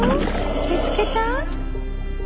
見つけた？